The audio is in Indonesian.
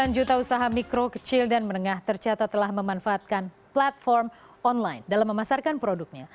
sembilan juta usaha mikro kecil dan menengah tercatat telah memanfaatkan platform online dalam memasarkan produknya